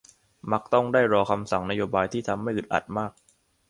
มักต้องได้รอคำสั่งนโยบายที่ทำให้อึดอัดมาก